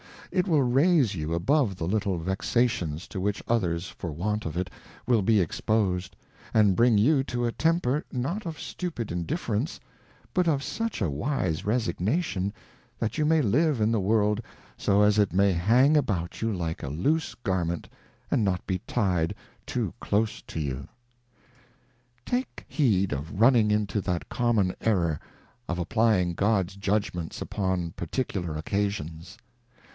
It will raise you above the little Vexations to which others for want of it, will be expos 'd, and bring you to a Temper, not of stupid Indifference, but of such a wise Resignation, that you may live in the World, so as it may hang about you like a loose Garment, and not tied too close to you. Take HUSBAND. Take heed of running into that common Error, of applying God's Judgments upon particular Occasions.